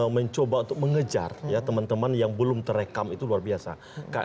mencoba untuk mengejar teman teman yang belum terekam itu luar biasa